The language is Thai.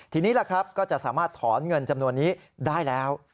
ทีนี้ล่ะครับก็จะสามารถถอนเงินจำนวนนี้ได้แล้ว